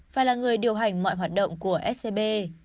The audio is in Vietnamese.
phải là người điều hành mọi hoạt động của scb